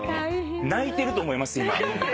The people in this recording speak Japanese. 泣いてると思います今。